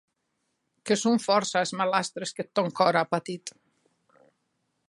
Que son fòrça es malastres qu’eth tòn còr a patit.